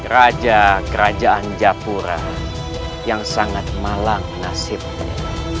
raja kerajaan japura yang sangat malang nasibnya